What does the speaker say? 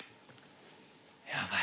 やばい。